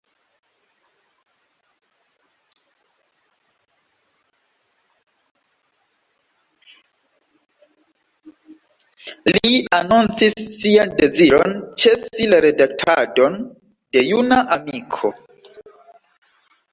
Li anoncis sian deziron ĉesi la redaktadon de Juna Amiko.